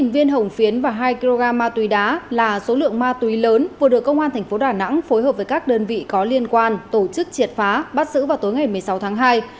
một mươi viên hồng phiến và hai kg ma túy đá là số lượng ma túy lớn vừa được công an tp đà nẵng phối hợp với các đơn vị có liên quan tổ chức triệt phá bắt giữ vào tối ngày một mươi sáu tháng hai